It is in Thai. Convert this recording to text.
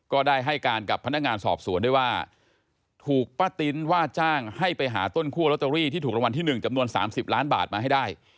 ก็ได้ให้การกับพนักงานสอบสวนด้วยว่าถูกป้าติ๊นว่าจ้างให้ไปหาต้นคั่วลอตเตอรี่ที่ถูกรางวัลที่๑จำนวน๓๐ล้านบาทมาให้ได้